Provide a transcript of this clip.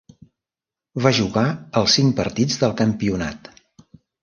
Va jugar els cinc partits del campionat.